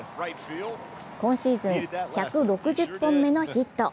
今シーズン１６０本目のヒット。